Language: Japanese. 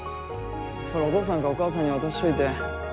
それお父さんかお母さんに渡しといて。